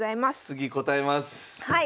次答えます！